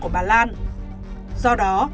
của bà lan do đó